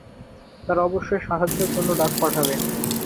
তারা অবশ্যই সাহায্যের জন্য ডাক পাঠাবে।